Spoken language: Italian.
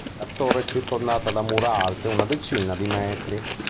La torre è circondata da mura alte una decina di metri.